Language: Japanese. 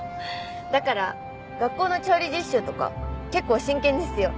だから学校の調理実習とか結構真剣ですよ。